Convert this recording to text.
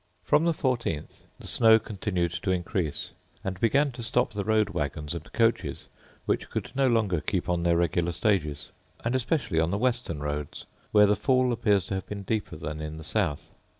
From the 14th the snow continued to increase, and began to stop the road waggons and coaches, which could no longer keep on their regular stages; and especially on the western roads, where the fall appears to have been deeper than in the south.